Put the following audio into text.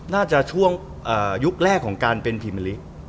น่าจะช่วงยุคแรกของการเป็นพรีเมอร์ลิก